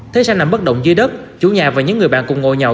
thế sang nằm bất động dưới đất chủ nhà và những người bạn cùng ngồi nhậu